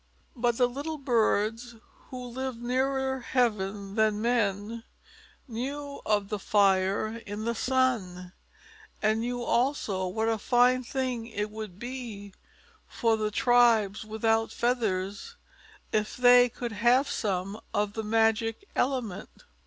But the little birds, who lived nearer heaven than men, knew of the fire in the sun, and knew also what a fine thing it would be for the tribes without feathers if they could have some of the magic element.